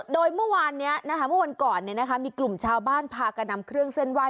โดยเมื่อวานเนี้ยนะคะเมื่อวานก่อนเนี้ยนะคะมีกลุ่มชาวบ้านพากันนำเครื่องเส้นไว้